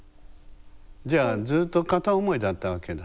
じゃあずっと片思いだったわけだ。